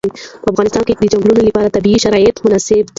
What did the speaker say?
په افغانستان کې د چنګلونه لپاره طبیعي شرایط مناسب دي.